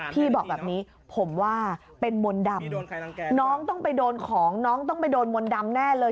พี่บอกแบบนี้ผมว่าเป็นมนต์ดำน้องต้องไปโดนของน้องต้องไปโดนมนต์ดำแน่เลย